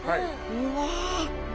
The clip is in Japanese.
うわ！